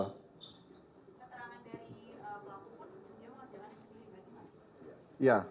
ya saat ini masih